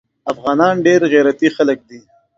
افغانان ډیر غیرتي خلک دي